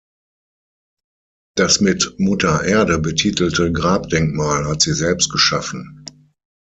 Das mit „Mutter Erde“ betitelte Grabdenkmal hat sie selbst geschaffen.